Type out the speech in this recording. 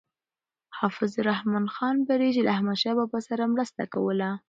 حافظ رحمت خان بړیڅ له احمدشاه بابا سره مرسته کوله.